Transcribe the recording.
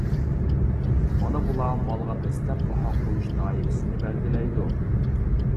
مانا بۇلار مالغا دەسلەپ باھا قويۇش دائىرىسىنى بەلگىلەيدۇ.